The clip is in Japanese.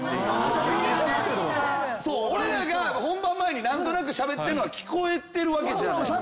俺らが本番前に何となくしゃべってんのは聞こえてる。